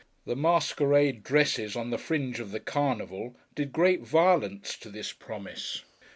The masquerade dresses on the fringe of the Carnival, did great violence to this promise.